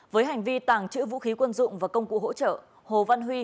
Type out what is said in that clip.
với hành vi tàng trữ vũ khí quân dụng và công cụ hỗ trợ hồ văn huy